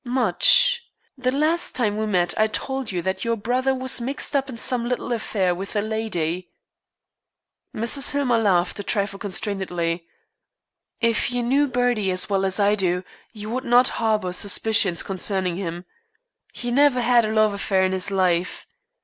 "Much. The last time we met I told you that your brother was mixed up in some little affair with a lady." Mrs. Hillmer laughed, a trifle constrainedly. "If you knew Bertie as well as I do, you would not harbor suspicions concerning him. He never had a love affair in his life.